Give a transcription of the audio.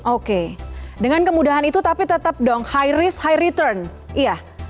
oke dengan kemudahan itu tapi tetap dong high risk high return iya